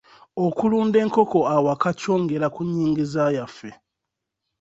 Okulunda enkoko awaka kyongera ku nnyingiza yaffe.